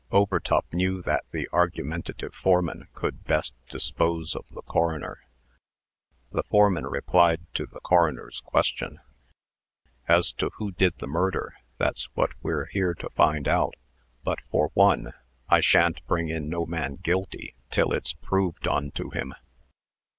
Overtop knew that the argumentative foreman could best dispose of the coroner. The foreman replied to the coroner's question: "As to who did the murder, that's what we're here to find out. But, for one, I sha'n't bring in no man guilty till it's proved onto him."